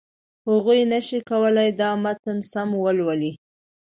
هغوی نشي کولای دا متن سم ولولي.